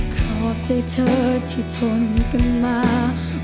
ขอบใจเธอที่ทนกันมา